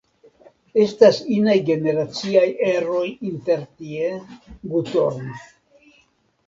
Estas inaj generaciaj eroj intertie, Gutorm.